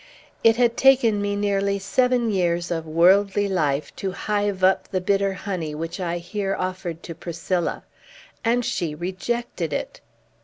It had taken me nearly seven years of worldly life to hive up the bitter honey which I here offered to Priscilla. And she rejected it!